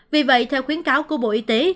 vì vậy theo khuyến cáo của bộ y tế